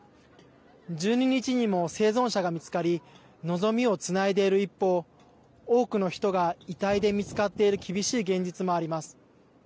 １２日にも生存者が見つかり望みをつないでいる一方多くの人が遺体で見つかっている厳しい現実もあります。